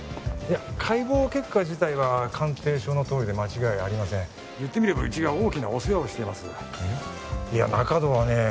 いや解剖結果自体は鑑定書のとおりで間違いありません言ってみればうちが大きなお世話をしていますいや中堂はね